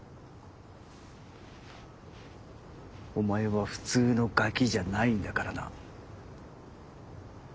お前は普通のガキじゃないんだからな。